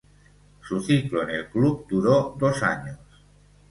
Su ciclo en el club duró dos años.